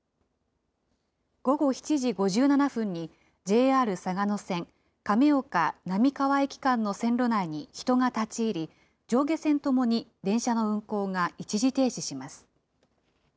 午後７時５７分に、ＪＲ嵯峨野線亀岡・並河駅間の線路内に人が立ち入り、上下線ともに電車の運行が一時停止します。